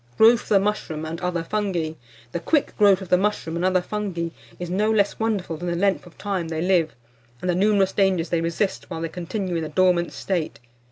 GROWTH OF THE MUSHROOM AND OTHER FUNGI. The quick growth of the mushroom and other fungi is no less wonderful than the length of time they live, and the numerous dangers they resist while they continue in the dormant state.